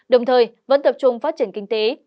đồng thời vẫn tập trung phát triển kinh tế